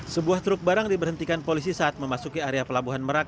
sebuah truk barang diberhentikan polisi saat memasuki area pelabuhan merak